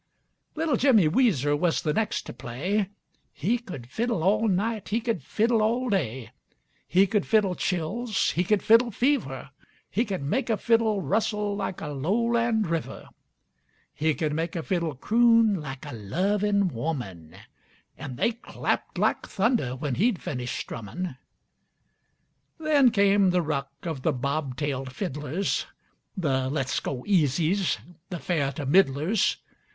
Little Jimmy Weezer was the next to play; He could fiddle all night, he could fiddle all day. He could fiddle chills, he could fiddle fever, He could make a fiddle rustle like a lowland river. He could make a fiddle croon like a lovin' woman. An' they clapped like thunder when he'd finished strummin'. Then came the ruck of the bob tailed fiddlers, The let's go easies, the fair to middlers.